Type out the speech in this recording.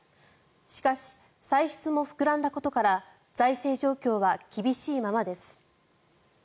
しかし、歳出も膨らんだことから財政状況は厳しいままです。